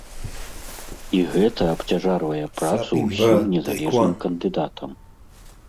І гэта абцяжарвае працу ўсім незалежным кандыдатам.